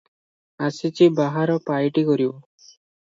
ଆସିଛି ବାହାର ପାଇଟି କରିବ ।